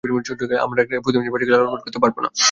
আমরা একটা প্রতিবন্ধী বাচ্চাকে লালন-পালন করতে পারব না।